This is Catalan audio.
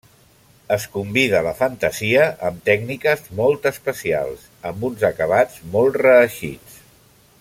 Es convida la fantasia amb tècniques molt especials, amb uns acabats molt reeixits.